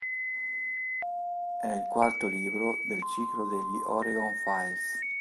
È il quarto libro del ciclo degli Oregon Files.